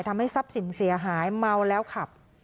ทำให้ทรัพย์สินเสียหายเมาแล้วขับ